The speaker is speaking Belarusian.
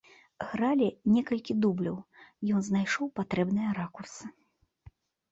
Гралі некалькі дубляў, ён знайшоў патрэбныя ракурсы.